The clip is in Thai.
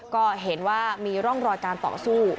ก็เห็นว่ามีร่องรอยการต่อสู้